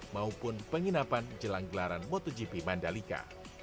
maupun penginapan jelang gelaran motogp mandalika